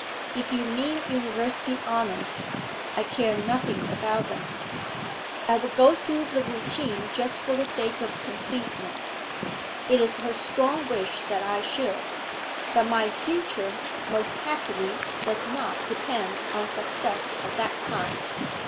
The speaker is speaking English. If you mean University honours I care nothing about them. I would go through the routine just for the sake of completeness; it is her strong wish that I should. But my future, most happily, does not depend on success of that kind.